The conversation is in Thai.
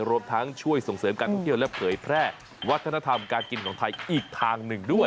รวมทั้งช่วยส่งเสริมการท่องเที่ยวและเผยแพร่วัฒนธรรมการกินของไทยอีกทางหนึ่งด้วย